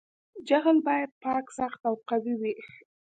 جغل باید پاک سخت او قوي وي